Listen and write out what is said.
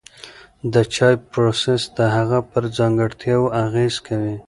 د چای پروسس د هغه پر ځانګړتیاوو اغېز کوي.